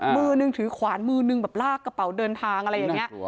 มือนึงถือขวานมือนึงแบบลากกระเป๋าเดินทางอะไรอย่างนี้